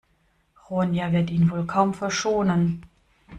Ronja wird ihn wohl kaum verschonen.